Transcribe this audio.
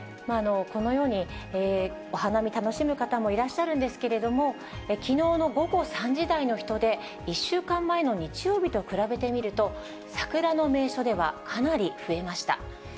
このようにお花見楽しむ方もいらっしゃるんですけれども、きのうの午後３時台の人出、１週間前の日曜日と比べてみると、桜の名所ではかなり増えました。